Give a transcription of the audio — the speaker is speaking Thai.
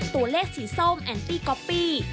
ตัวเลขสีส้มแอนตี้ก๊อปปี้